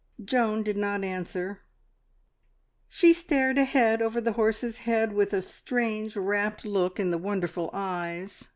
Joan did not answer. She stared ahead over the horse's head with a strange, rapt look in the wonderful eyes.